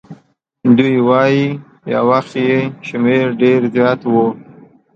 دوی وایي یو وخت یې شمیر ډېر زیات وو.